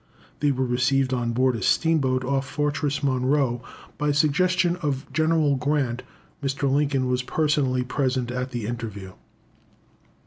They were received on board a steamboat off Fortress Monroe. By suggestion of General Grant, Mr. Lincoln was personally present at the interview.